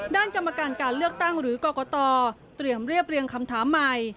กรรมการการเลือกตั้งหรือกรกตเตรียมเรียบเรียงคำถามใหม่